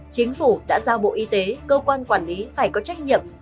chính phủ đã giao bộ y tế cơ quan quản lý phải có trách nhiệm